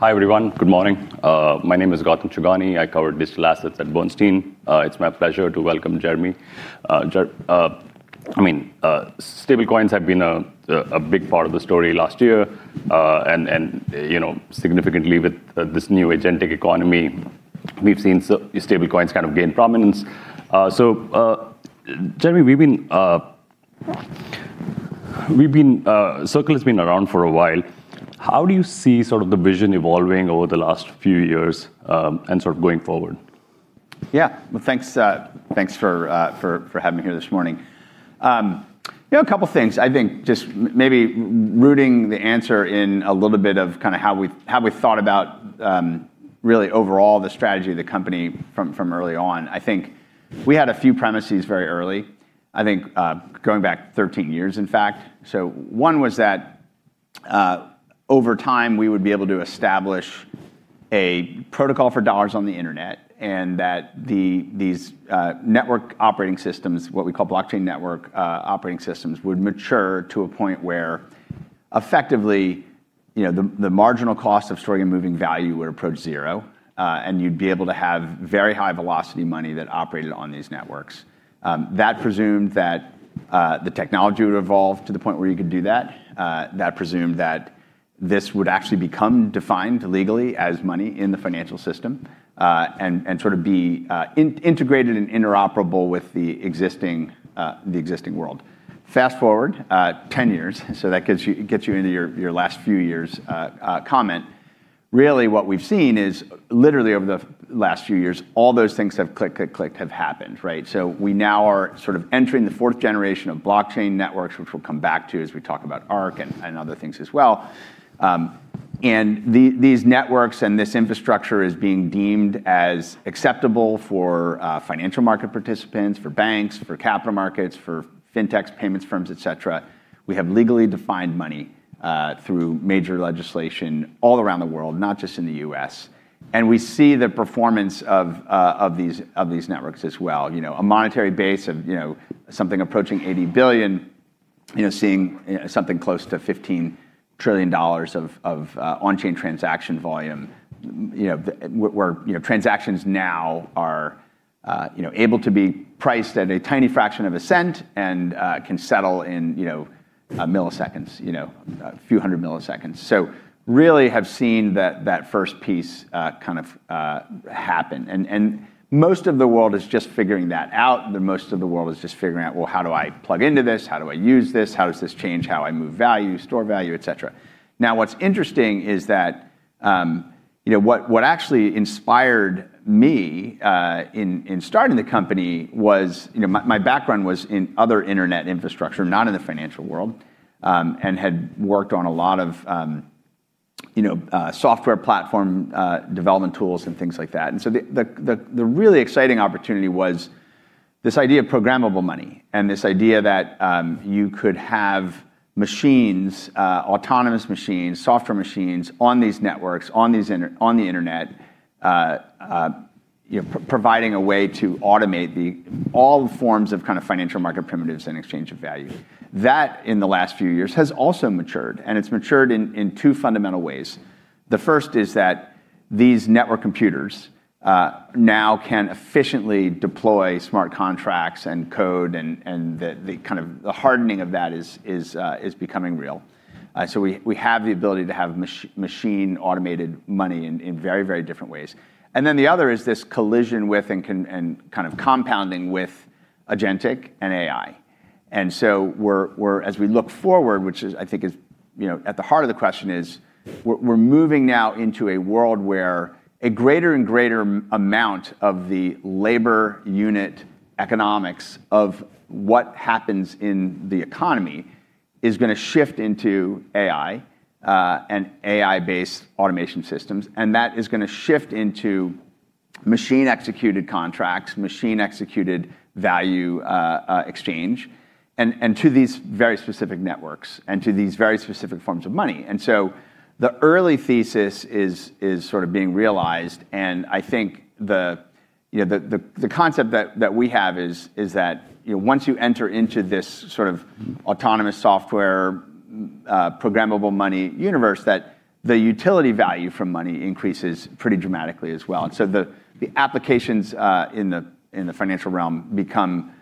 Hi, everyone. Good morning. My name is Gautam Chhugani. I cover digital assets at Bernstein. It's my pleasure to welcome Jeremy. Stablecoins have been a big part of the story last year and significantly with this new agentic economy, we've seen stablecoins gain prominence. Jeremy, Circle has been around for a while. How do you see the vision evolving over the last few years and going forward? Yeah. Well, thanks for having me here this morning. A couple of things. I think just maybe rooting the answer in a little bit of how we've thought about, really overall, the strategy of the company from early on, I think we had a few premises very early, I think, going back 13 years, in fact. One was that over time we would be able to establish a protocol for dollars on the internet and that these network operating systems, what we call blockchain network operating systems, would mature to a point where effectively, the marginal cost of storing and moving value would approach zero. You'd be able to have very high velocity money that operated on these networks. That presumed that the technology would evolve to the point where you could do that. That presumed that this would actually become defined legally as money in the financial system, and sort of be integrated and interoperable with the existing world. Fast-forward 10 years, that gets you into your last few years comment. Really what we've seen is, literally over the last few years, all those things have clicked, clicked, clicked, have happened, right? We now are entering the fourth generation of blockchain networks, which we'll come back to as we talk about Arc and other things as well. These networks and this infrastructure is being deemed as acceptable for financial market participants, for banks, for capital markets, for fintechs, payments firms, etc. We have legally defined money through major legislation all around the world, not just in the U.S. We see the performance of these networks as well. A monetary base of something approaching $80 billion, seeing something close to $15 trillion of on-chain transaction volume, where transactions now are able to be priced at a tiny fraction of a cent and can settle in milliseconds, a few hundred milliseconds. Really have seen that first piece happen. Most of the world is just figuring that out, most of the world is just figuring out, "Well, how do I plug into this? How do I use this? How does this change how I move value, store value," etc. What's interesting is that what actually inspired me in starting the company was, my background was in other internet infrastructure, not in the financial world. Had worked on a lot of software platform development tools and things like that. The really exciting opportunity was this idea of programmable money, and this idea that you could have machines, autonomous machines, software machines on these networks, on the internet, providing a way to automate all forms of financial market primitives and exchange of value. That, in the last few years, has also matured, and it's matured in two fundamental ways. The first is that these network computers now can efficiently deploy smart contracts and code, and the hardening of that is becoming real. We have the ability to have machine-automated money in very different ways. The other is this collision with and compounding with agentic and AI. As we look forward, which I think is at the heart of the question, is we're moving now into a world where a greater and greater amount of the labor unit economics of what happens in the economy is going to shift into AI, and AI-based automation systems. That is going to shift into machine-executed contracts, machine-executed value exchange, and to these very specific networks, and to these very specific forms of money. The early thesis is being realized, and I think the concept that we have is that once you enter into this autonomous software programmable money universe, that the utility value from money increases pretty dramatically as well. The applications in the financial realm become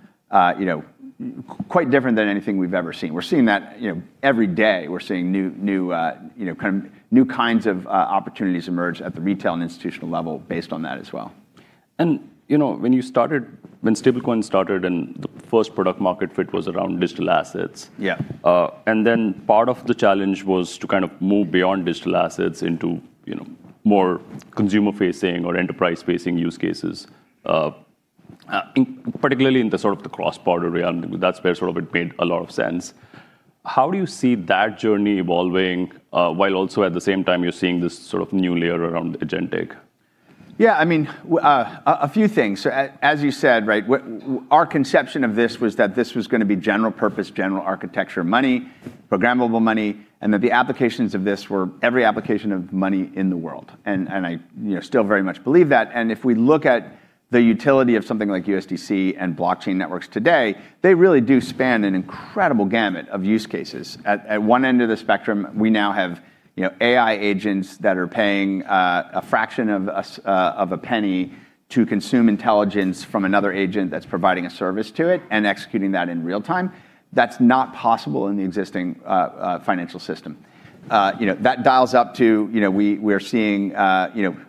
quite different than anything we've ever seen. We're seeing that every day. We're seeing new kinds of opportunities emerge at the retail and institutional level based on that as well. When you started, when stablecoin started and the first product market fit was around digital assets. Yeah. Part of the challenge was to move beyond digital assets into more consumer facing or enterprise facing use cases. Particularly in the cross-border realm. That's where it made a lot of sense. How do you see that journey evolving, while also at the same time you're seeing this new layer around agentic? Yeah, a few things. As you said, our conception of this was that this was going to be general purpose, general architecture money, programmable money, and that the applications of this were every application of money in the world. I still very much believe that. If we look at the utility of something like USDC and blockchain networks today, they really do span an incredible gamut of use cases. At one end of the spectrum, we now have AI agents that are paying a fraction of a penny to consume intelligence from another agent that's providing a service to it and executing that in real time. That's not possible in the existing financial system. That dials up to, we are seeing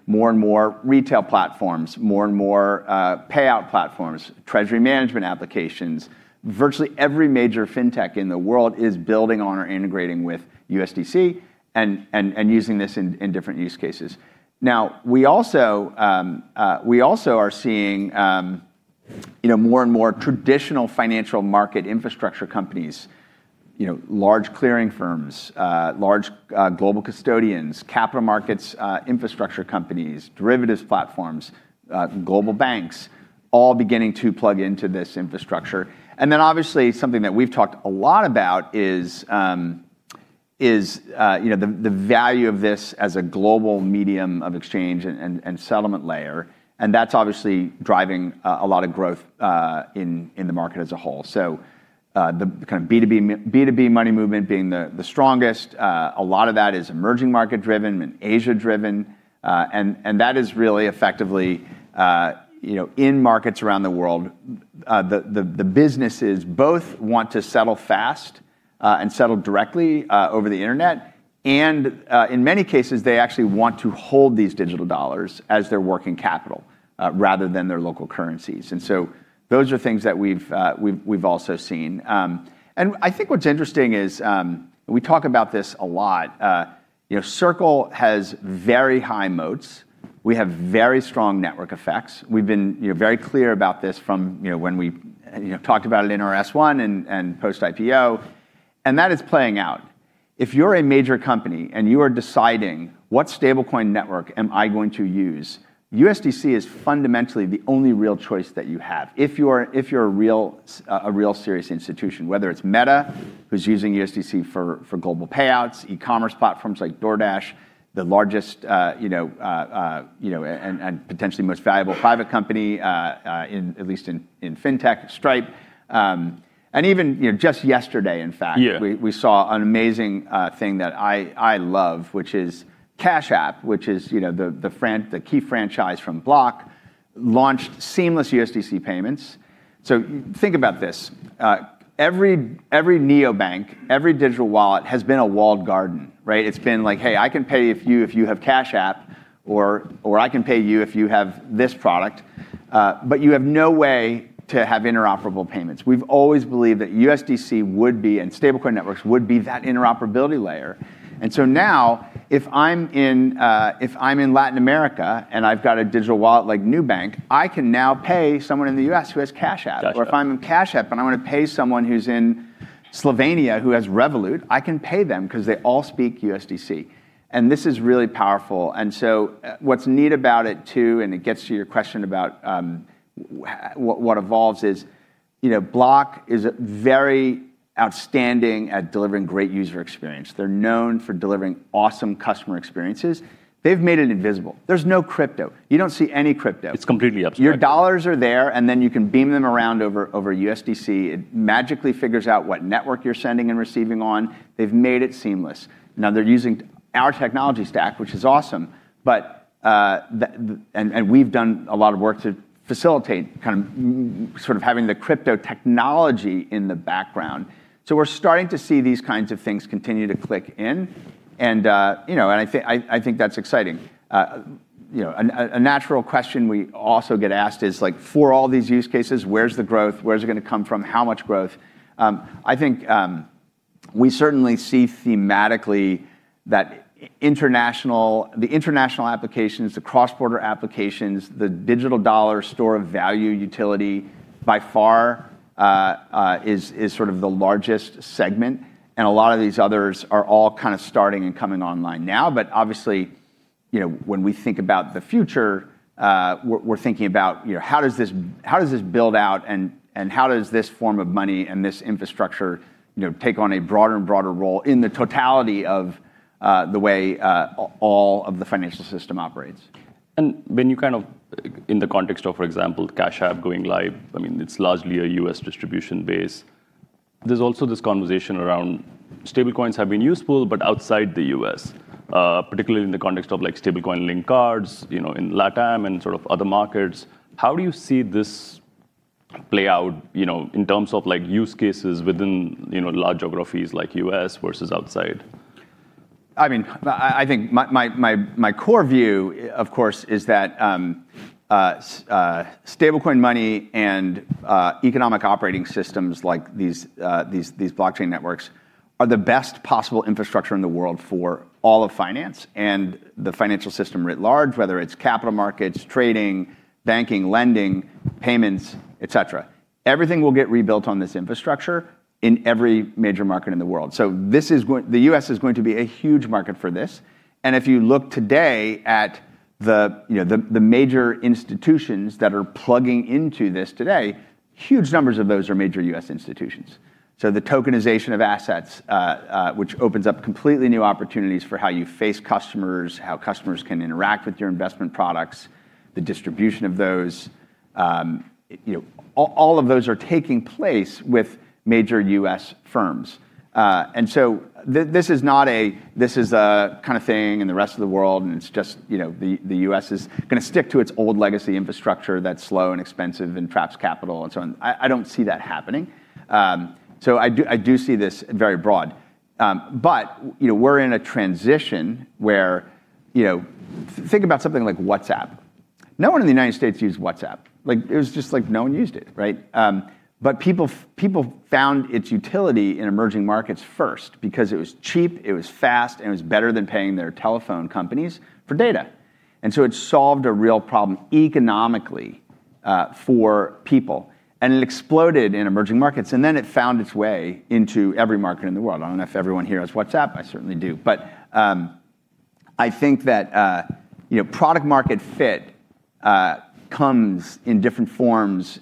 more and more retail platforms, more and more payout platforms, treasury management applications. Virtually every major fintech in the world is building on or integrating with USDC and using this in different use cases. We also are seeing more and more traditional financial market infrastructure companies, large clearing firms, large global custodians, capital markets infrastructure companies, derivatives platforms, global banks, all beginning to plug into this infrastructure. Then obviously, something that we've talked a lot about is the value of this as a global medium of exchange and settlement layer. That's obviously driving a lot of growth in the market as a whole. The kind of B2B money movement being the strongest, a lot of that is emerging market driven and Asia driven. That is really effectively, in markets around the world, the businesses both want to settle fast and settle directly over the internet. In many cases, they actually want to hold these digital dollars as their working capital, rather than their local currencies. Those are things that we've also seen. I think what's interesting is, we talk about this a lot. Circle has very high moats. We have very strong network effects. We've been very clear about this from when we talked about it in our S-1 and post-IPO, and that is playing out. If you're a major company and you are deciding what stablecoin network am I going to use? USDC is fundamentally the only real choice that you have if you're a real serious institution, whether it's Meta, who's using USDC for global payouts, e-commerce platforms like DoorDash, the largest and potentially most valuable private company at least in fintech, Stripe. Even just yesterday, in fact- Yeah ...we saw an amazing thing that I love, which is Cash App, which is the key franchise from Block, launched seamless USDC payments. Think about this. Every neobank, every digital wallet has been a walled garden, right? It's been like, "Hey, I can pay you if you have Cash App," or, "I can pay you if you have this product." You have no way to have interoperable payments. We've always believed that USDC would be, and stablecoin networks would be, that interoperability layer. Now, if I'm in Latin America and I've got a digital wallet like Nubank, I can now pay someone in the U.S. who has Cash App. Cash App. If I'm in Cash App and I want to pay someone who's in Slovenia who has Revolut, I can pay them because they all speak USDC. This is really powerful. What's neat about it too, and it gets to your question about what evolves is, Block is very outstanding at delivering great user experience. They're known for delivering awesome customer experiences. They've made it invisible. There's no crypto. You don't see any crypto. It's completely abstract. Your dollars are there. Then you can beam them around over USDC. It magically figures out what network you're sending and receiving on. They've made it seamless. Now they're using our technology stack, which is awesome. We've done a lot of work to facilitate sort of having the crypto technology in the background. We're starting to see these kinds of things continue to click in. I think that's exciting. A natural question we also get asked is, for all these use cases, where's the growth? Where's it going to come from? How much growth? I think we certainly see thematically that the international applications, the cross-border applications, the digital dollar store of value utility by far is sort of the largest segment. A lot of these others are all kind of starting and coming online now. Obviously, when we think about the future, we're thinking about how does this build out and how does this form of money and this infrastructure take on a broader and broader role in the totality of the way all of the financial system operates. When you kind of, in the context of, for example, Cash App going live, it's largely a U.S. distribution base. There's also this conversation around stablecoins have been useful, but outside the U.S., particularly in the context of stablecoin-linked cards, in LATAM and other markets. How do you see this play out in terms of use cases within large geographies like U.S. versus outside? I think my core view, of course, is that stablecoin money and economic operating systems like these blockchain networks are the best possible infrastructure in the world for all of finance and the financial system writ large, whether it's capital markets, trading, banking, lending, payments, etc. Everything will get rebuilt on this infrastructure in every major market in the world. The U.S. is going to be a huge market for this, and if you look today at the major institutions that are plugging into this today. Huge numbers of those are major U.S. institutions. The tokenization of assets, which opens up completely new opportunities for how you face customers, how customers can interact with your investment products, the distribution of those, all of those are taking place with major U.S. firms. This is a kind of thing in the rest of the world, and it's just the U.S. is going to stick to its old legacy infrastructure that's slow and expensive and traps capital and so on. I don't see that happening. I do see this very broad. We're in a transition where, think about something like WhatsApp. No one in the United States used WhatsApp. It was just like no one used it, right? People found its utility in emerging markets first because it was cheap, it was fast, and it was better than paying their telephone companies for data. It solved a real problem economically for people, and it exploded in emerging markets, and then it found its way into every market in the world. I don't know if everyone here has WhatsApp, I certainly do. I think that product market fit comes in different forms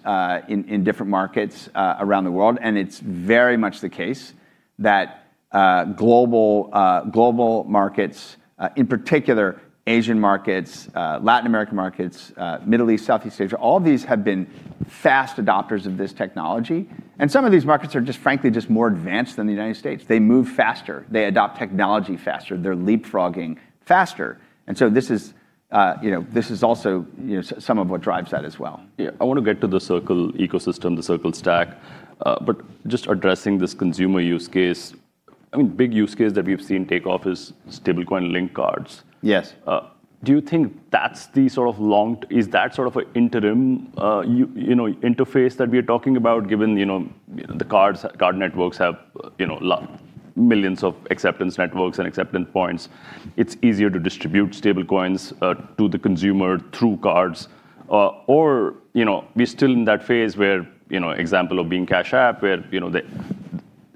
in different markets around the world. It's very much the case that global markets, in particular Asian markets, Latin American markets, Middle East, Southeast Asia, all of these have been fast adopters of this technology. Some of these markets are, frankly, just more advanced than the United States. They move faster. They adopt technology faster. They're leapfrogging faster. This is also some of what drives that as well. Yeah. I want to get to the Circle ecosystem, the Circle stack. Just addressing this consumer use case, big use case that we've seen take off is stablecoin-linked cards. Yes. Do you think is that sort of an interim interface that we're talking about, given the card networks have millions of acceptance networks and acceptance points, it's easier to distribute stablecoins to the consumer through cards, or we're still in that phase where, example of being Cash App, where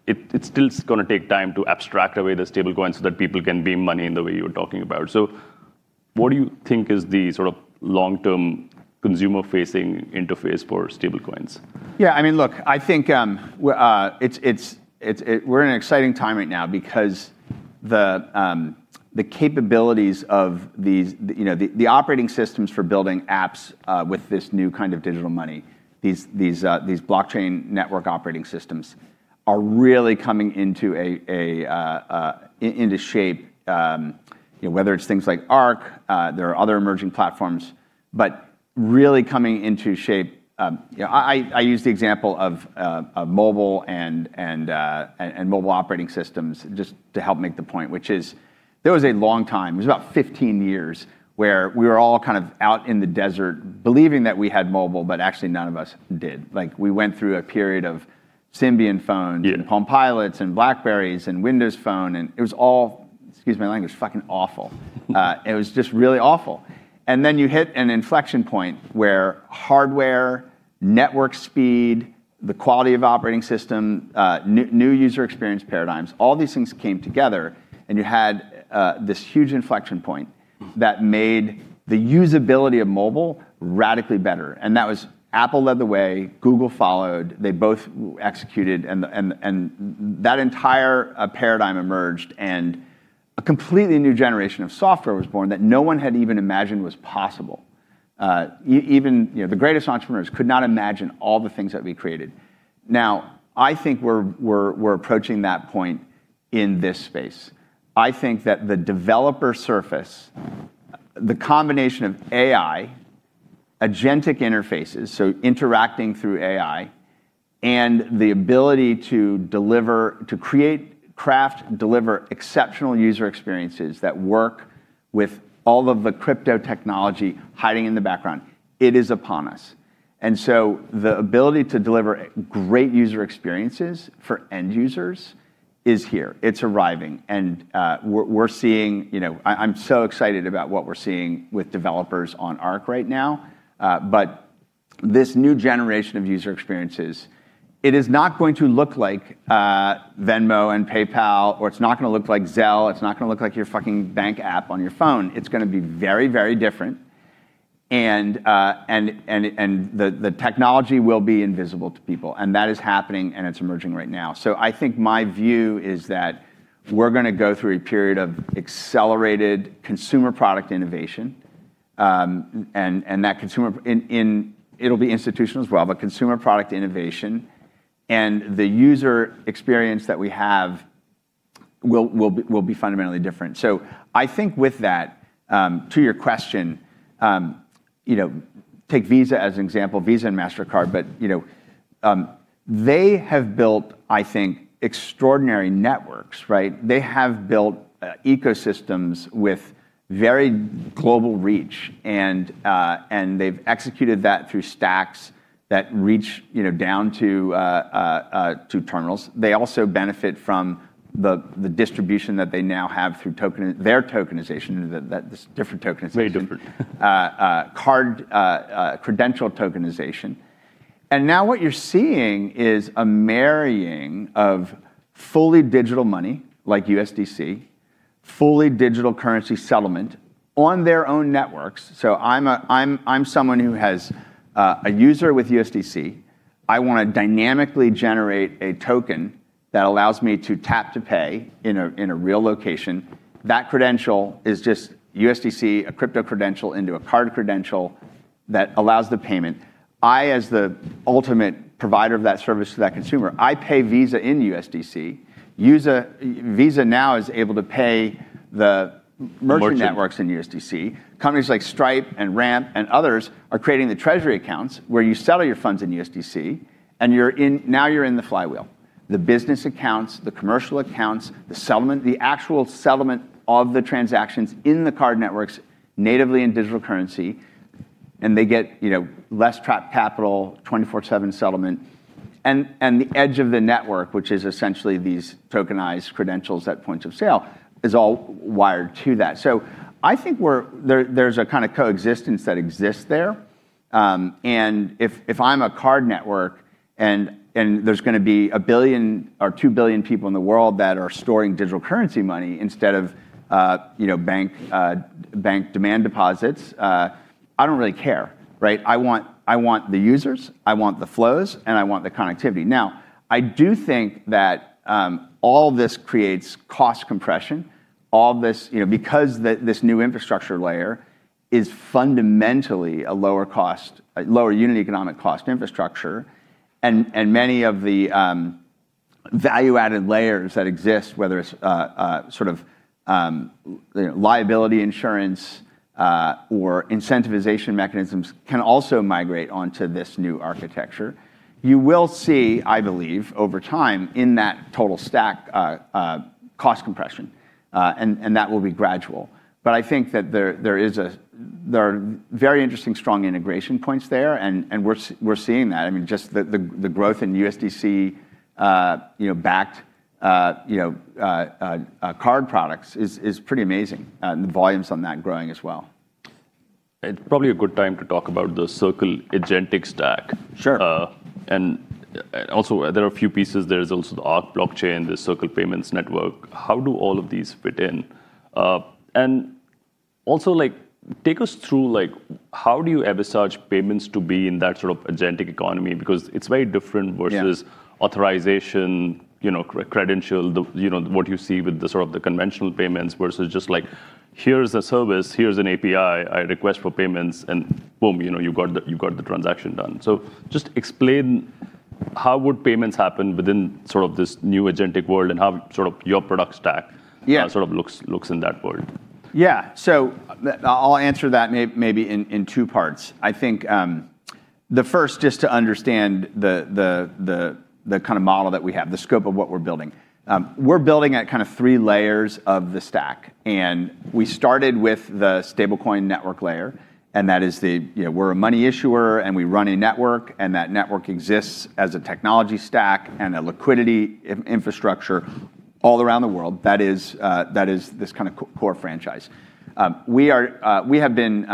it still is going to take time to abstract away the stablecoins so that people can beam money in the way you're talking about? What do you think is the sort of long-term consumer-facing interface for stablecoins? Yeah, look, I think we're in an exciting time right now because the capabilities of the operating systems for building apps with this new kind of digital money, these blockchain network operating systems, are really coming into shape. Whether it's things like Arc, there are other emerging platforms, but really coming into shape. I use the example of mobile and mobile operating systems just to help make the point, which is there was a long time, it was about 15 years, where we were all kind of out in the desert believing that we had mobile, but actually none of us did. We went through a period of Symbian phones. Yeah PalmPilots and BlackBerrys and Windows Phone, and it was all, excuse my language, fucking awful. It was just really awful. Then you hit an inflection point where hardware, network speed, the quality of operating system, new user experience paradigms, all these things came together, and you had this huge inflection point that made the usability of mobile radically better. That was Apple led the way, Google followed, they both executed, and that entire paradigm emerged, and a completely new generation of software was born that no one had even imagined was possible. Even the greatest entrepreneurs could not imagine all the things that we created. Now, I think we're approaching that point in this space. I think that the developer surface, the combination of AI, agentic interfaces, so interacting through AI, and the ability to create, craft, deliver exceptional user experiences that work with all of the crypto technology hiding in the background, it is upon us. The ability to deliver great user experiences for end users is here. It's arriving. I'm so excited about what we're seeing with developers on Arc right now. This new generation of user experiences, it is not going to look like Venmo and PayPal, or it's not going to look like Zelle, it's not going to look like your fucking bank app on your phone. It's going to be very, very different. The technology will be invisible to people. That is happening and it's emerging right now. I think my view is that we're going to go through a period of accelerated consumer product innovation, and it'll be institutions as well, but consumer product innovation and the user experience that we have will be fundamentally different. I think with that, to your question, take Visa as an example, Visa and Mastercard. They have built, I think, extraordinary networks, right? They have built ecosystems with very global reach, and they've executed that through stacks that reach down to terminals. They also benefit from the distribution that they now have through their tokenization, this different tokenization- Very different. ...card credential tokenization. Now what you're seeing is a marrying of fully digital money like USDC fully digital currency settlement on their own networks. I'm someone who has a user with USDC. I want to dynamically generate a token that allows me to tap-to-pay in a real location. That credential is just USDC, a crypto credential into a card credential that allows the payment. I, as the ultimate provider of that service to that consumer, I pay Visa in USDC. Visa now is able to pay the merchant networks in USDC. Companies like Stripe and Ramp and others are creating the treasury accounts where you settle your funds in USDC, and now you're in the flywheel. The business accounts, the commercial accounts, the settlement, the actual settlement of the transactions in the card networks natively in digital currency, and they get less trapped capital, 24/7 settlement. The edge of the network, which is essentially these tokenized credentials at points of sale, is all wired to that. I think there's a kind of coexistence that exists there. If I'm a card network, and there's going to be 1 billion or 2 billion people in the world that are storing digital currency money instead of bank demand deposits, I don't really care, right? I want the users, I want the flows, and I want the connectivity. I do think that all this creates cost compression. All this, because this new infrastructure layer is fundamentally a lower unit economic cost infrastructure, and many of the value-added layers that exist, whether it's sort of liability insurance, or incentivization mechanisms, can also migrate onto this new architecture. You will see, I believe, over time, in that total stack, cost compression, and that will be gradual. I think that there are very interesting strong integration points there, and we're seeing that. Just the growth in USDC-backed card products is pretty amazing, and the volume's on that growing as well. It's probably a good time to talk about the Circle Agent Stack. Sure. There are a few pieces. There's also the Arc blockchain, the Circle Payments Network. How do all of these fit in? Take us through how do you envisage payments to be in that sort of agentic economy? Yeah Because it's very different versus authorization, credential, what you see with the sort of the conventional payments versus just like, here's a service, here's an API, a request for payments, boom, you've got the transaction done. Just explain how would payments happen within this new agentic world and how your product stack-? Yeah ...sort of looks in that world? Yeah. I'll answer that maybe in two parts. I think the first, just to understand the kind of model that we have, the scope of what we're building. We're building at kind of three layers of the stack, and we started with the stablecoin network layer, and that is the, we're a money issuer, and we run a network, and that network exists as a technology stack and a liquidity infrastructure all around the world. That is this kind of core franchise. We have been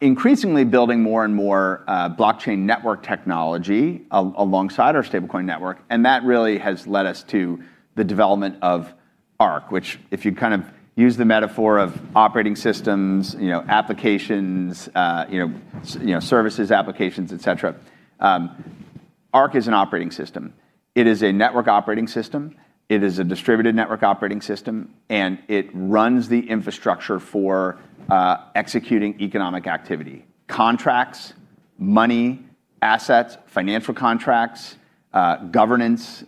increasingly building more and more blockchain network technology alongside our stablecoin network, and that really has led us to the development of Arc, which if you kind of use the metaphor of operating systems, applications, services applications, etc, Arc is an operating system. It is a network operating system, it is a distributed network operating system, and it runs the infrastructure for executing economic activity. Contracts, money, assets, financial contracts, governance,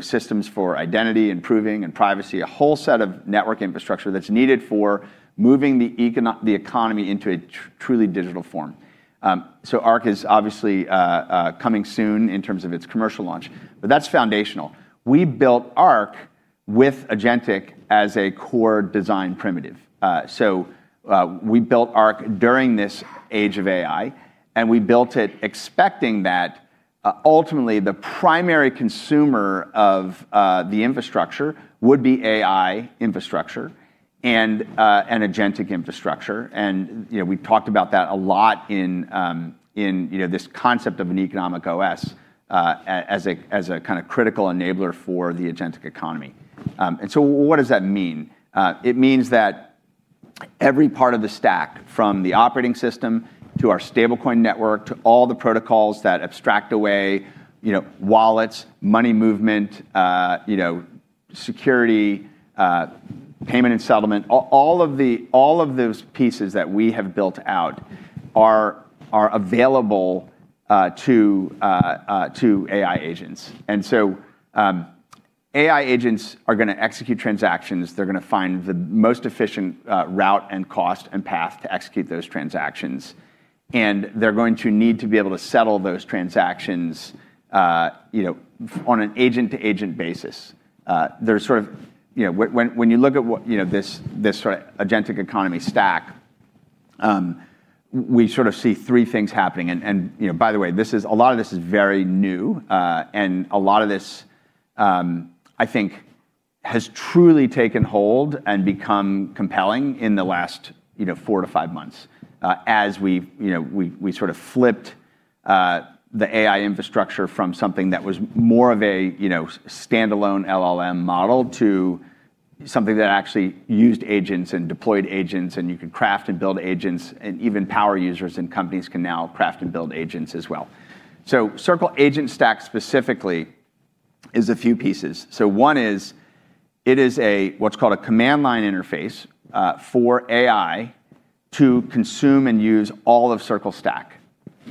systems for identity and proving and privacy. A whole set of network infrastructure that's needed for moving the economy into a truly digital form. Arc is obviously coming soon in terms of its commercial launch. That's foundational. We built Arc with agentic as a core design primitive. We built Arc during this age of AI, and we built it expecting that ultimately the primary consumer of the infrastructure would be AI infrastructure and agentic infrastructure. We've talked about that a lot in this concept of an economic OS as a kind of critical enabler for the agentic economy. What does that mean? It means that every part of the stack, from the operating system to our stablecoin network to all the protocols that abstract away wallets, money movement, security, payment and settlement, all of those pieces that we have built out are available to AI agents. AI agents are going to execute transactions. They're going to find the most efficient route and cost and path to execute those transactions. They're going to need to be able to settle those transactions on an agent-to-agent basis. When you look at this sort of agentic economy stack, we sort of see three things happening. By the way, a lot of this is very new, and a lot of this, I think, has truly taken hold and become compelling in the last four to five months as we sort of flipped the AI infrastructure from something that was more of a standalone LLM model to something that actually used agents and deployed agents, and you could craft and build agents, and even power users and companies can now craft and build agents as well. Circle Agent Stack specifically is a few pieces. One is, it is what's called a command line interface, for AI to consume and use all of Circle stack.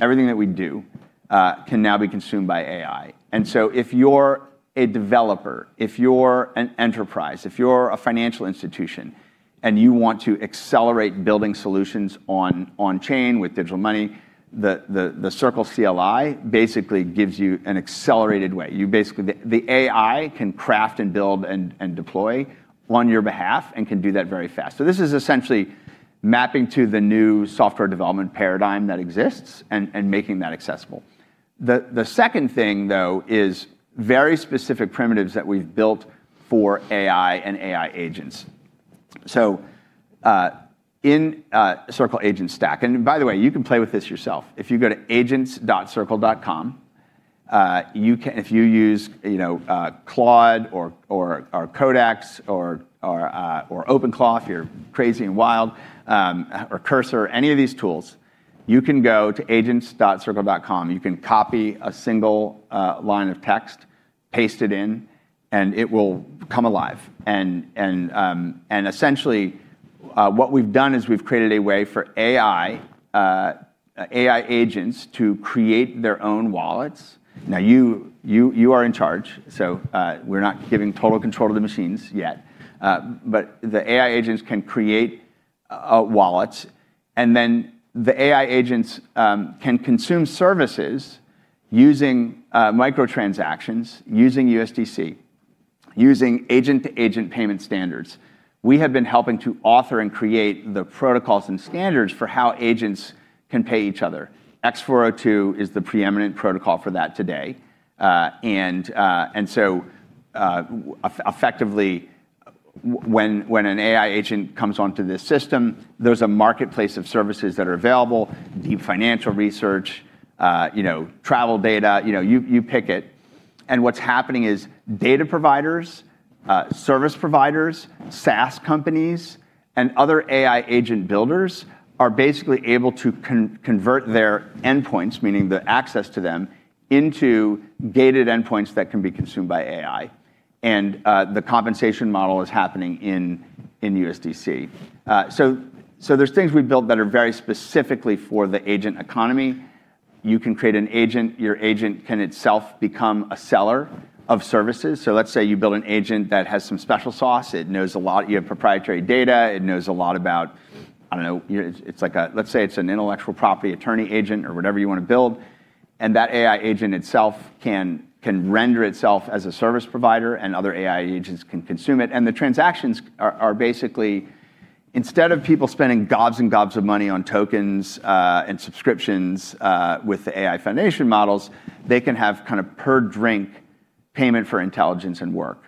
Everything that we do can now be consumed by AI. If you're a developer, if you're an enterprise, if you're a financial institution, and you want to accelerate building solutions on chain with digital money, the Circle CLI basically gives you an accelerated way. Basically, the AI can craft and build and deploy on your behalf and can do that very fast. This is essentially mapping to the new software development paradigm that exists and making that accessible. The second thing, though, is very specific primitives that we've built for AI and AI agents. In Circle Agent Stack, and by the way, you can play with this yourself. If you go to agents.circle.com, if you use Claude or Codex or OpenClaw, you're crazy and wild, or Cursor, any of these tools, you can go to agents.circle.com. You can copy a single line of text, paste it in, and it will come alive. Essentially, what we've done is we've created a way for AI agents to create their own wallets. Now you are in charge, so we're not giving total control of the machines yet. But the AI agents can create wallets, and then the AI agents can consume services using micro-transactions, using USDC, using agent payment standards. We have been helping to author and create the protocols and standards for how agents can pay each other. X402 is the preeminent protocol for that today. Effectively, when an AI agent comes onto this system, there's a marketplace of services that are available, deep financial research, travel data. You pick it. What's happening is data providers, service providers, SaaS companies, and other AI agent builders are basically able to convert their endpoints, meaning the access to them, into gated endpoints that can be consumed by AI. The compensation model is happening in USDC. There's things we've built that are very specifically for the agent economy. You can create an agent. Your agent can itself become a seller of services. Let's say you build an agent that has some special sauce. You have proprietary data. It knows a lot about, let's say it's an intellectual property attorney agent or whatever you want to build, and that AI agent itself can render itself as a service provider, and other AI agents can consume it. The transactions are basically, instead of people spending gobs and gobs of money on tokens, and subscriptions, with the AI foundation models, they can have per drink payment for intelligence and work.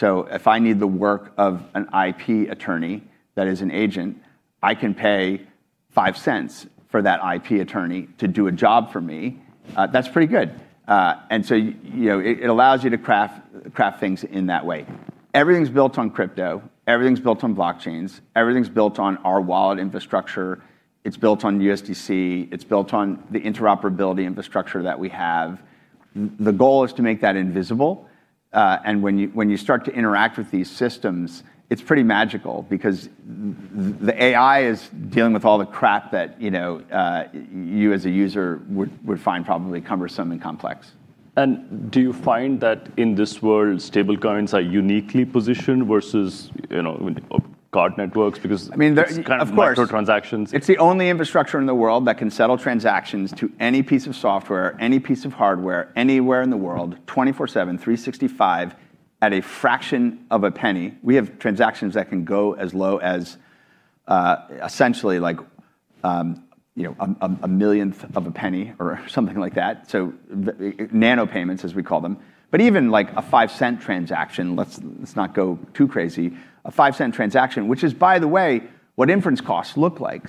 If I need the work of an IP attorney that is an agent, I can pay $0.05 for that IP attorney to do a job for me. That's pretty good. It allows you to craft things in that way. Everything's built on crypto. Everything's built on blockchains. Everything's built on our wallet infrastructure. It's built on USDC. It's built on the interoperability infrastructure that we have. The goal is to make that invisible. When you start to interact with these systems, it's pretty magical because the AI is dealing with all the crap that you as a user would find probably cumbersome and complex. Do you find that in this world, stablecoins are uniquely positioned versus card networks-? Of course. ...these kind of micro transactions? It's the only infrastructure in the world that can settle transactions to any piece of software, any piece of hardware, anywhere in the world, 24/7, 365 at a fraction of a penny. We have transactions that can go as low as essentially a millionth of a penny or something like that, so nano payments, as we call them. Even a $0.05 transaction, let's not go too crazy. A $0.05 transaction, which is by the way, what inference costs look like.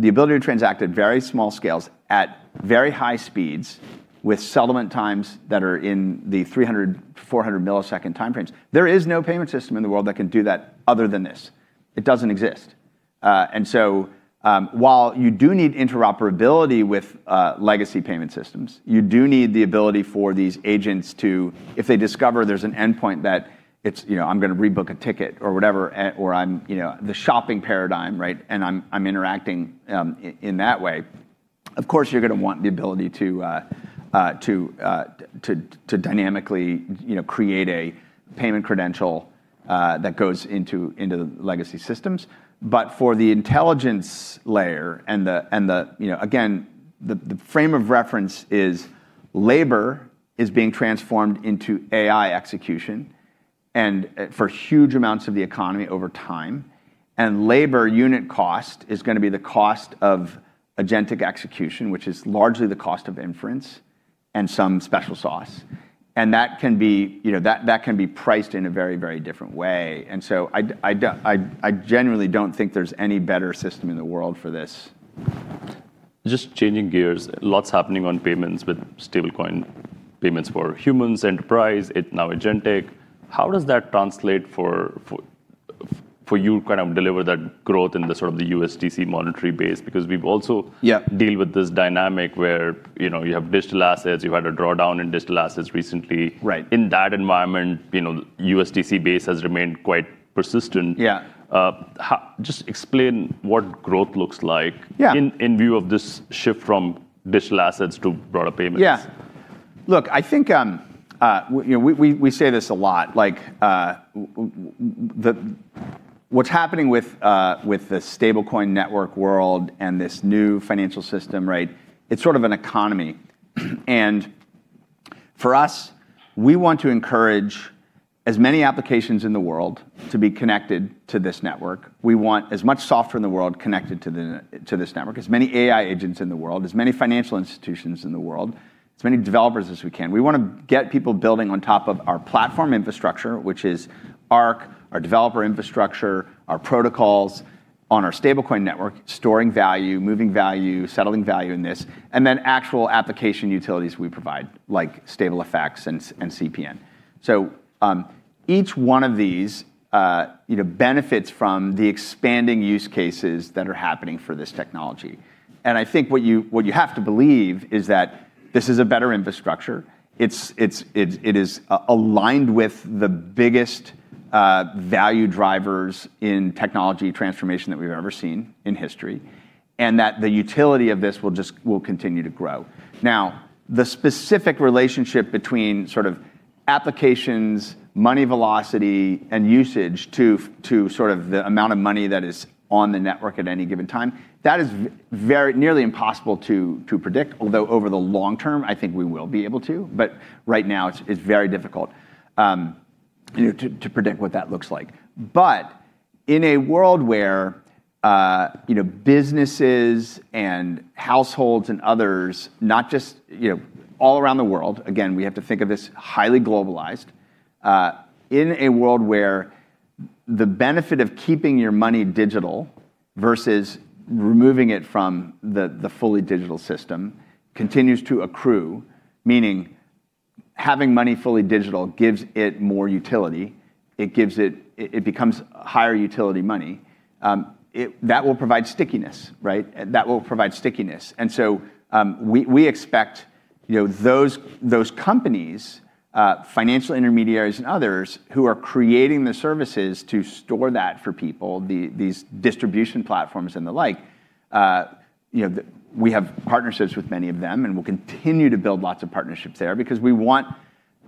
The ability to transact at very small scales at very high speeds with settlement times that are in the 300, 400 ms time frames. There is no payment system in the world that can do that other than this. It doesn't exist. While you do need interoperability with legacy payment systems, you do need the ability for these agents to, if they discover there's an endpoint that it's, I'm going to rebook a ticket or whatever, or the shopping paradigm, right. I'm interacting in that way, of course, you're going to want the ability to dynamically create a payment credential, that goes into the legacy systems. For the intelligence layer and again, the frame of reference is labor is being transformed into AI execution and for huge amounts of the economy over time. Labor unit cost is going to be the cost of agentic execution, which is largely the cost of inference and some special sauce. That can be priced in a very, very different way. I genuinely don't think there's any better system in the world for this. Just changing gears, lots happening on payments with stablecoin, payments for humans, enterprise, now agentic. How does that translate for you kind of deliver that growth in the sort of the USDC monetary base? Yeah Because, we've also deal with this dynamic where you have digital assets, you've had a drawdown in digital assets recently- Right. ...in that environment, USDC base has remained quite persistent. Yeah. Just explain what growth looks like- Yeah ...in view of this shift from digital assets to broader payments. Yeah. Look, I think we say this a lot, what's happening with the stablecoin network world and this new financial system, right, it's sort of an economy. For us, we want to encourage as many applications in the world to be connected to this network. We want as much software in the world connected to this network, as many AI agents in the world, as many financial institutions in the world, as many developers as we can. We want to get people building on top of our platform infrastructure, which is Arc, our developer infrastructure, our protocols on our stablecoin network, storing value, moving value, settling value in this, and then actual application utilities we provide, like StableFX and CPN. Each one of these benefits from the expanding use cases that are happening for this technology. I think what you have to believe is that this is a better infrastructure. It is aligned with the biggest value drivers in technology transformation that we've ever seen in history, and that the utility of this will continue to grow. Now, the specific relationship between sort of applications, money velocity, and usage to sort of the amount of money that is on the network at any given time, that is nearly impossible to predict. Although over the long term, I think we will be able to, but right now, it's very difficult to predict what that looks like. In a world where businesses and households and others, not just, all around the world, again, we have to think of this highly globalized, in a world where the benefit of keeping your money digital versus removing it from the fully digital system continues to accrue, meaning having money fully digital gives it more utility, it becomes higher utility money, that will provide stickiness, right? That will provide stickiness. We expect those companies, financial intermediaries and others, who are creating the services to store that for people, these distribution platforms and the like. We have partnerships with many of them, and we'll continue to build lots of partnerships there because we want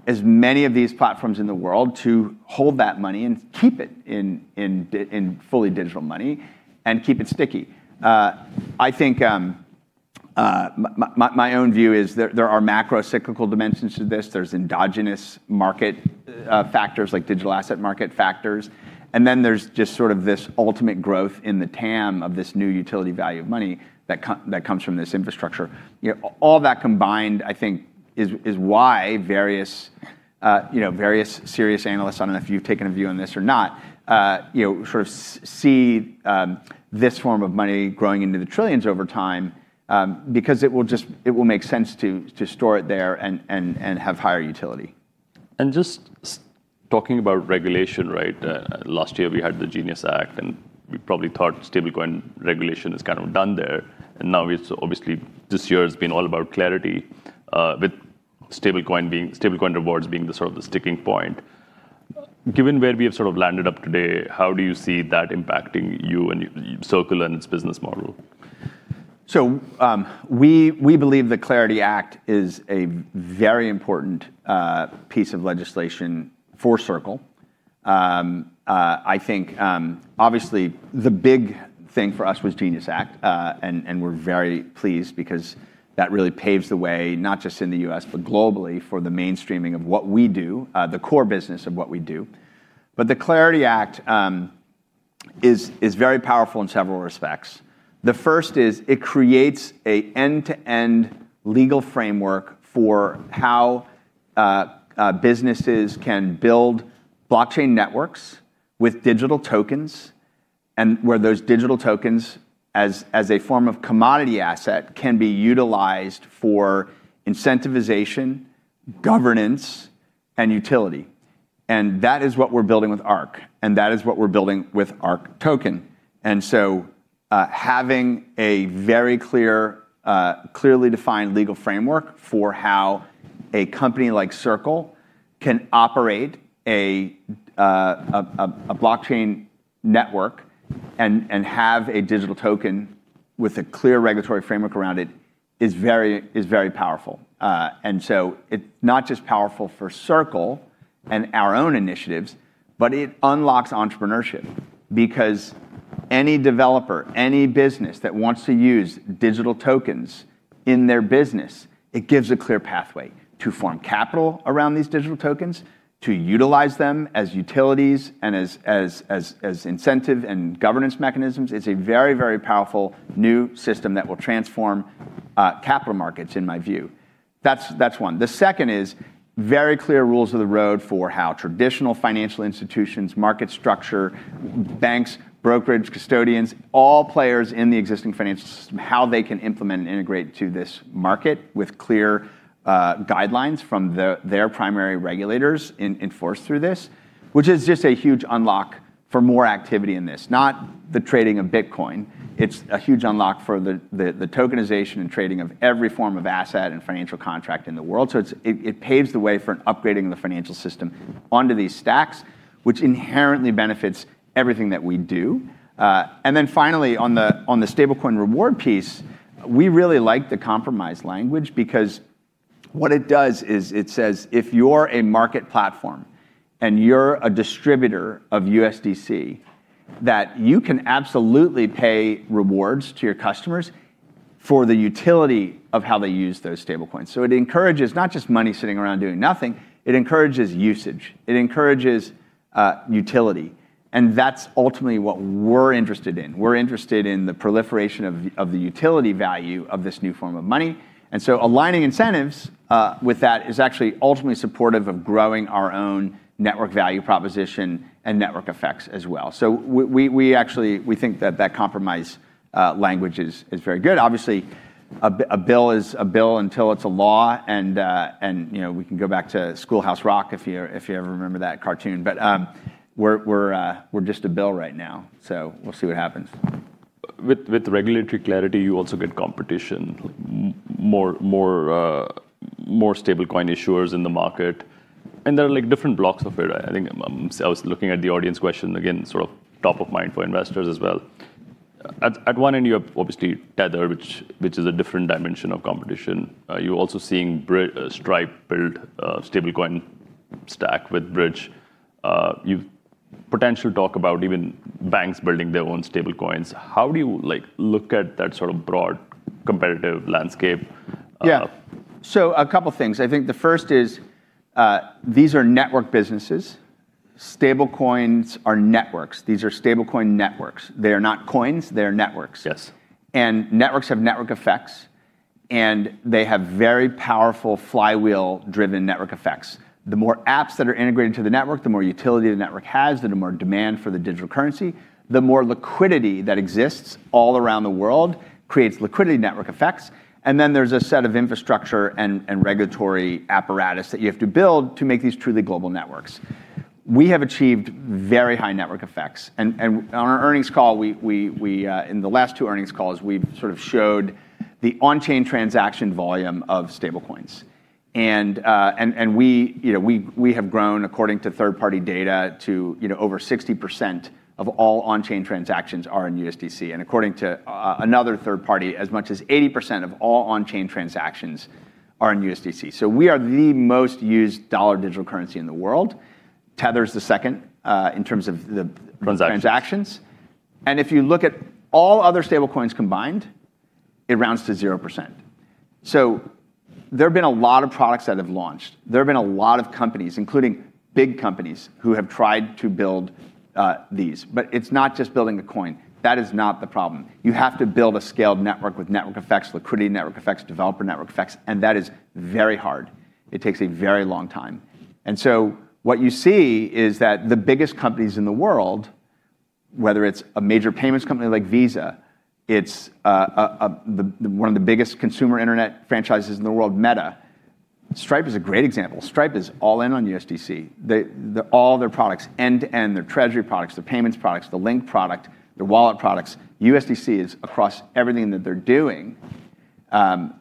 as many of these platforms in the world to hold that money and keep it in fully digital money and keep it sticky. I think my own view is there are macrocyclical dimensions to this. There's endogenous market factors, like digital asset market factors, and then there's just sort of this ultimate growth in the TAM of this new utility value of money that comes from this infrastructure. All that combined, I think, is why various serious analysts, I don't know if you've taken a view on this or not, sort of see this form of money growing into the trillions over time, because it will make sense to store it there and have higher utility. Just talking about regulation, right there. Last year we had the GENIUS Act, and we probably thought stablecoin regulation is kind of done there. Now obviously this year has been all about Clarity, with stablecoin rewards being the sort of the sticking point. Given where we have sort of landed up today, how do you see that impacting you and Circle and its business model? We believe the Clarity Act is a very important piece of legislation for Circle. I think, obviously, the big thing for us was GENIUS Act, we're very pleased because that really paves the way, not just in the U.S. but globally, for the mainstreaming of what we do, the core business of what we do. The Clarity Act is very powerful in several respects. The first is it creates an end-to-end legal framework for how businesses can build blockchain networks with digital tokens, and where those digital tokens, as a form of commodity asset, can be utilized for incentivization, governance, and utility. That is what we're building with Arc, and that is what we're building with ARC Token. Having a very clearly defined legal framework for how a company like Circle can operate a blockchain network and have a digital token with a clear regulatory framework around it is very powerful. Not just powerful for Circle and our own initiatives, but it unlocks entrepreneurship because any developer, any business that wants to use digital tokens in their business, it gives a clear pathway to form capital around these digital tokens, to utilize them as utilities and as incentive and governance mechanisms. It's a very, very powerful new system that will transform capital markets, in my view. That's one. The second is very clear rules of the road for how traditional financial institutions, market structure, banks, brokerage, custodians, all players in the existing financial system, how they can implement and integrate to this market with clear guidelines from their primary regulators enforced through this, which is just a huge unlock for more activity in this. Not the trading of Bitcoin, it is a huge unlock for the tokenization and trading of every form of asset and financial contract in the world. It paves the way for an upgrading of the financial system onto these stacks, which inherently benefits everything that we do. Finally, on the stablecoin reward piece, we really like the compromise language because what it does is it says, if you're a market platform and you're a distributor of USDC, that you can absolutely pay rewards to your customers for the utility of how they use those stablecoins. It encourages not just money sitting around doing nothing, it encourages usage, it encourages utility. That's ultimately what we're interested in. We're interested in the proliferation of the utility value of this new form of money. Aligning incentives with that is actually ultimately supportive of growing our own network value proposition and network effects as well. We think that compromise language is very good. Obviously, a bill is a bill until it's a law, and we can go back to Schoolhouse Rock! if you ever remember that cartoon. We're just a bill right now, so we'll see what happens. With regulatory CLARITY, you also get competition, more stablecoin issuers in the market, and there are different blocks of it. I was looking at the audience question, again, top of mind for investors as well. At one end, you have obviously Tether, which is a different dimension of competition. You're also seeing Stripe build a stablecoin stack with Bridge. You potentially talk about even banks building their own stablecoins. How do you look at that broad competitive landscape? Yeah. A couple of things. I think the first is these are network businesses. Stablecoins are networks. These are stablecoin networks. They are not coins, they are networks. Yes. Networks have network effects, and they have very powerful flywheel-driven network effects. The more apps that are integrated to the network, the more utility the network has, the more demand for the digital currency. The more liquidity that exists all around the world creates liquidity network effects, and then there's a set of infrastructure and regulatory apparatus that you have to build to make these truly global networks. We have achieved very high network effects, and on our earnings call, in the last two earnings calls, we've showed the on-chain transaction volume of stablecoins. We have grown, according to third-party data, to over 60% of all on-chain transactions are in USDC, and according to another third party, as much as 80% of all on-chain transactions are in USDC. We are the most used dollar digital currency in the world. Tether's the second, in terms of the transactions. Transactions. If you look at all other stablecoins combined, it rounds to 0%. There have been a lot of products that have launched. There have been a lot of companies, including big companies, who have tried to build these. It's not just building a coin. That is not the problem. You have to build a scaled network with network effects, liquidity network effects, developer network effects, and that is very hard. It takes a very long time. What you see is that the biggest companies in the world, whether it's a major payments company like Visa, it's one of the biggest consumer internet franchises in the world, Meta. Stripe is a great example. Stripe is all in on USDC. All their products end to end, their treasury products, their payments products, the Link product, their wallet products, USDC is across everything that they're doing. Cash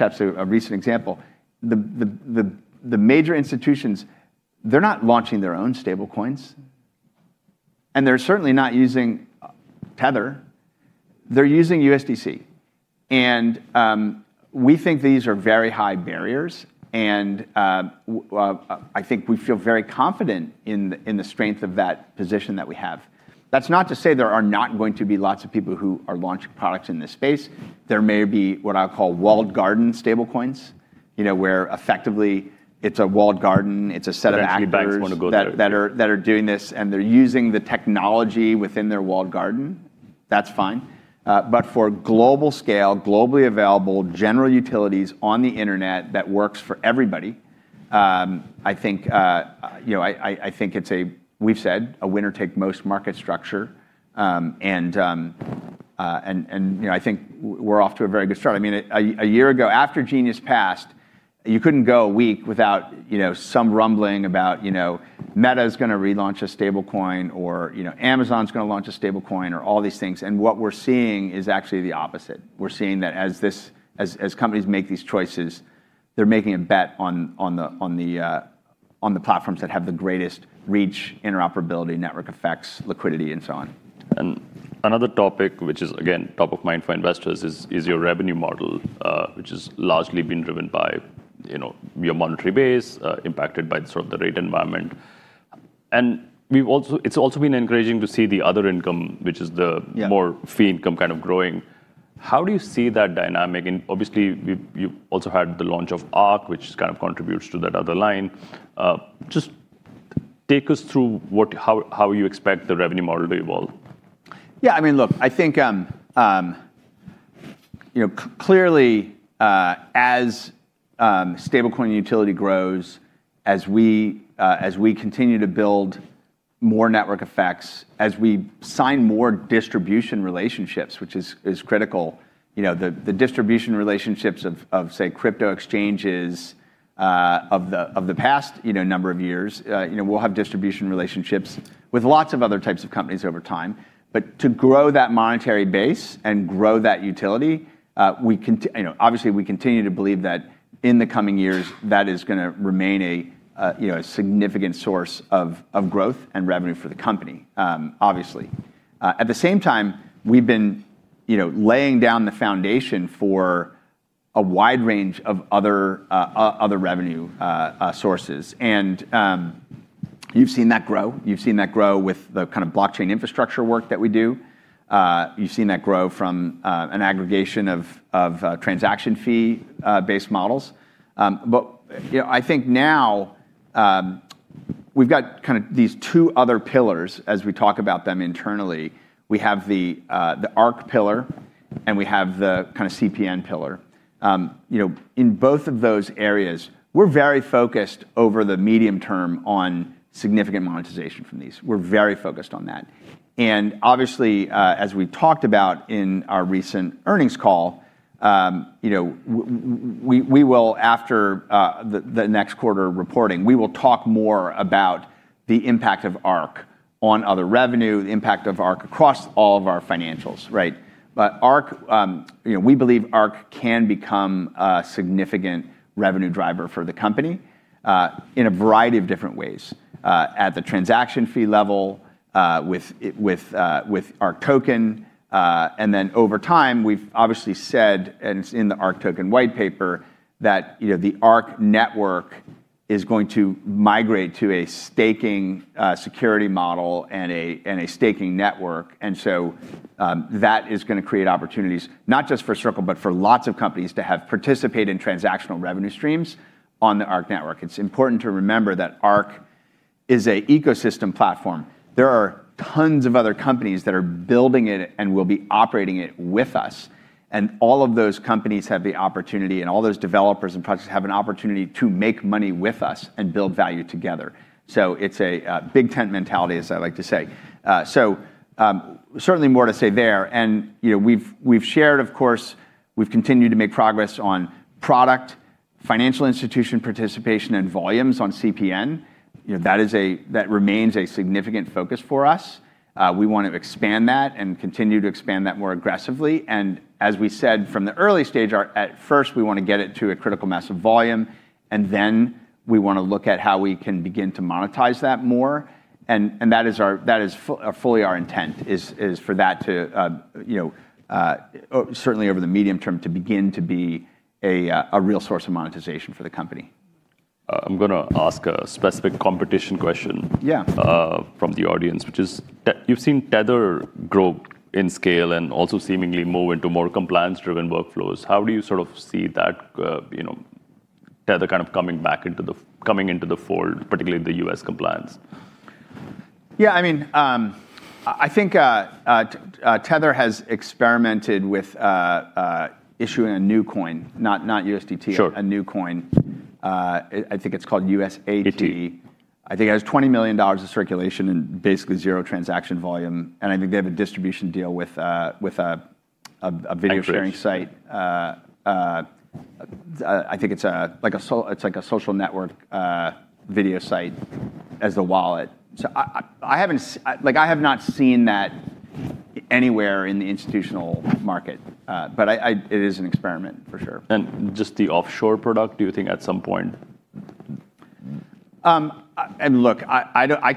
App's a recent example. The major institutions, they're not launching their own stablecoins, and they're certainly not using Tether. They're using USDC. We think these are very high barriers, and I think we feel very confident in the strength of that position that we have. That's not to say there are not going to be lots of people who are launching products in this space. There may be what I'll call walled garden stablecoins, where effectively it's a walled garden, it's a set of actors- Eventually banks want to go there. ...for global scale, globally available general utilities on the internet that works for everybody, we've said a winner-take-most market structure, and I think we're off to a very good start. A year ago, after GENIUS passed, you couldn't go a week without some rumbling about Meta's going to relaunch a stablecoin, or Amazon's going to launch a stablecoin or all these things. What we're seeing is actually the opposite. We're seeing that as companies make these choices, they're making a bet on the platforms that have the greatest reach, interoperability, network effects, liquidity, and so on. Another topic, which is again top of mind for investors, is your revenue model, which has largely been driven by your monetary base, impacted by the rate environment. It's also been encouraging to see the other income. Yeah More fee income kind of growing. How do you see that dynamic? Obviously, you've also had the launch of Arc, which kind of contributes to that other line. Just take us through how you expect the revenue model to evolve. Yeah, look, I think clearly, as stablecoin utility grows, as we continue to build more network effects, as we sign more distribution relationships, which is critical. The distribution relationships of, say, crypto exchanges of the past number of years. We'll have distribution relationships with lots of other types of companies over time. To grow that monetary base and grow that utility, obviously we continue to believe that in the coming years, that is going to remain a significant source of growth and revenue for the company, obviously. At the same time, we've been laying down the foundation for a wide range of other revenue sources. You've seen that grow. You've seen that grow with the blockchain infrastructure work that we do. You've seen that grow from an aggregation of transaction fee-based models. I think now we've got these two other pillars, as we talk about them internally. We have the Arc pillar, and we have the CPN pillar. In both of those areas, we're very focused over the medium term on significant monetization from these. We're very focused on that. Obviously, as we've talked about in our recent earnings call, we will, after the next quarter reporting, we will talk more about the impact of Arc on other revenue, the impact of Arc across all of our financials, right. We believe Arc can become a significant revenue driver for the company in a variety of different ways. At the transaction fee level, with our ARC Token, and then over time, we've obviously said, and it's in the ARC Token whitepaper, that the Arc network is going to migrate to a staking security model and a staking network. That is going to create opportunities not just for Circle, but for lots of companies to participate in transactional revenue streams on the Arc network. It's important to remember that Arc is an ecosystem platform. There are tons of other companies that are building it and will be operating it with us. All of those companies have the opportunity, and all those developers and projects have an opportunity to make money with us and build value together. It's a big tent mentality, as I like to say. Certainly more to say there. We've shared, of course, we've continued to make progress on product, financial institution participation, and volumes on CPN. That remains a significant focus for us. We want to expand that and continue to expand that more aggressively. As we said from the early stage, at first, we want to get it to a critical mass of volume, then we want to look at how we can begin to monetize that more. That is fully our intent, is for that to, certainly over the medium term, to begin to be a real source of monetization for the company. I'm going to ask a specific competition question- Yeah ...from the audience, which is, you've seen Tether grow in scale and also seemingly move into more compliance-driven workflows. How do you see that Tether coming back into the fold, particularly the U.S. compliance? Yeah, I think Tether has experimented with issuing a new coin. Not USDT- Sure ...a new coin. I think it's called USAT. I think it has $20 million of circulation and basically zero transaction volume. I think they have a distribution deal with a video sharing site. I think it's like a social network video site as the wallet. I have not seen that anywhere in the institutional market. It is an experiment, for sure. Just the offshore product, do you think at some point? Look, I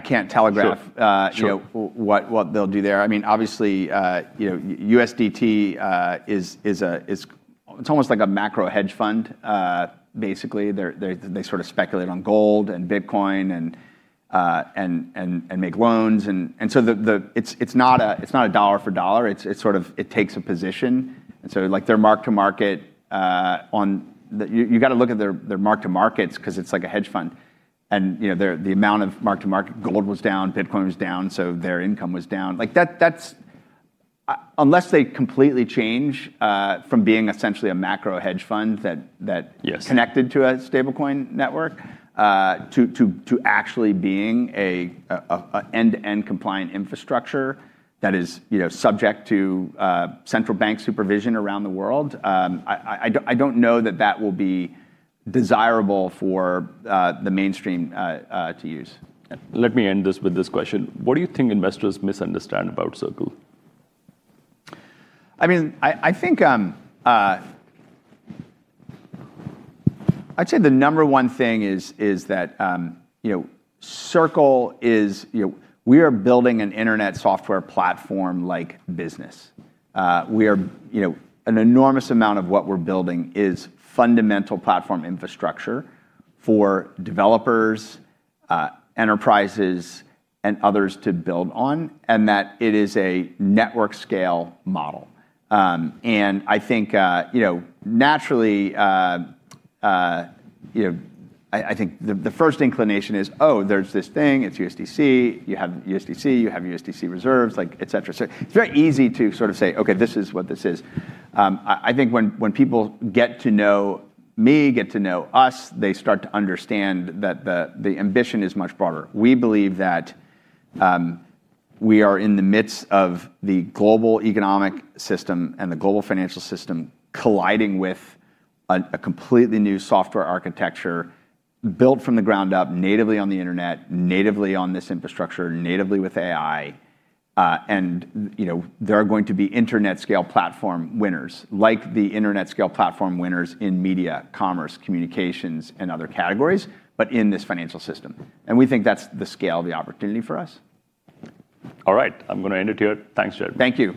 can't telegraph- Sure ...what they'll do there. Obviously, USDT it's almost like a macro hedge fund, basically. They sort of speculate on gold and Bitcoin and make loans. It's not dollar-for-dollar. It takes a position. You've got to look at their mark-to-markets because it's like a hedge fund. The amount of mark-to-market, gold was down, Bitcoin was down, so their income was down. Unless they completely change from being essentially a macro hedge fund that- Yes ...connected to a stablecoin network, to actually being an end-to-end compliant infrastructure that is subject to central bank supervision around the world, I don't know that that will be desirable for the mainstream to use. Let me end this with this question. What do you think investors misunderstand about Circle? I'd say the number one thing is that Circle is we are building an internet software platform-like business. An enormous amount of what we're building is fundamental platform infrastructure for developers, enterprises, and others to build on, and that it is a network scale model. I think the first inclination is, oh, there's this thing, it's USDC, you have USDC, you have USDC reserves, etc. It's very easy to say, "Okay, this is what this is." I think when people get to know me, get to know us, they start to understand that the ambition is much broader. We believe that we are in the midst of the global economic system and the global financial system colliding with a completely new software architecture built from the ground up natively on the internet, natively on this infrastructure, natively with AI. There are going to be internet scale platform winners, like the internet scale platform winners in media, commerce, communications, and other categories, but in this financial system. We think that's the scale of the opportunity for us. All right. I'm going to end it here. Thanks, Jeremy. Thank you.